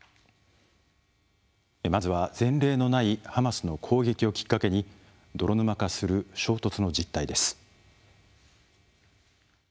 まずは、前例のないハマスの攻撃をきっかけに泥沼化する衝突の実態です。